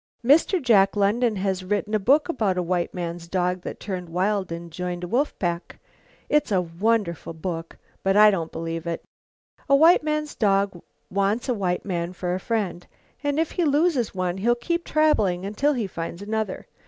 Mr. Jack London has written a book about a white man's dog that turned wild and joined a wolf pack. It's a wonderful book, but I don't believe it. A white man's dog wants a white man for a friend, and if he loses one he'll keep traveling until he finds another.